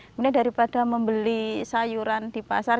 kemudian daripada membeli sayuran di pasar